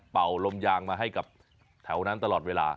ลมยางมาให้กับแถวนั้นตลอดเวลา